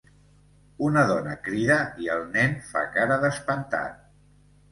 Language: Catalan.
Una dona crida i el nen fa cara d'espantat.